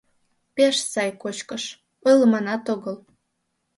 — Пеш сай кочкыш, ойлыманат огыл!